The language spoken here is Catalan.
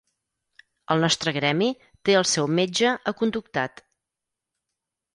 El nostre gremi té el seu metge aconductat.